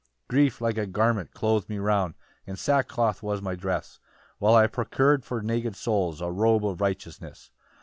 7 "Grief, like a garment, cloth'd me round, "And sackcloth was my dress, "While I procur'd for naked souls "A robe of righteousness.